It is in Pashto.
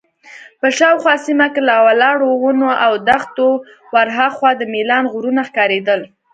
په شاوخوا سیمه کې له ولاړو ونو او دښتې ورهاخوا د میلان غرونه ښکارېدل.